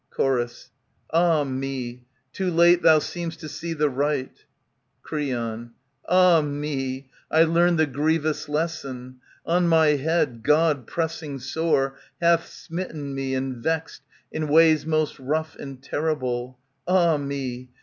Chor, Ah me ! Too late thou seem'st to see the right. 1^70 Creon, Ah me ! I learn the grievous lesson. On my head, God, pressing sore, hath smitten me and vexed. In ways most rough and terrible, (Ah me